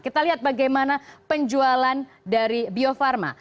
kita lihat bagaimana penjualan dari bio farma